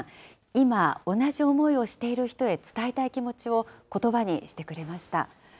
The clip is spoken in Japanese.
今、同じ思いをしている人へ伝えたい気持ちを、ことばにしてくれました。